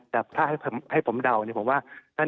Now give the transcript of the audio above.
แต่ถ้าให้ผมโดวจะก็ว่าท่านคงไม่เลือกผมละครับ